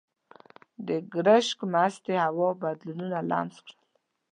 د ګرشک مستې هوا بدنونه لمس کړل.